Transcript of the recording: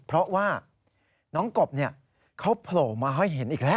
เพราะว่าน้องกบเขาโผล่มาให้เห็นอีกแล้ว